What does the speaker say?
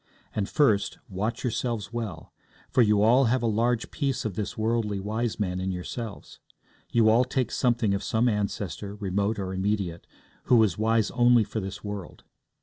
And first, watch yourselves well, for you all have a large piece of this worldly wise man in yourselves. You all take something of some ancestor, remote or immediate, who was wise only for this world.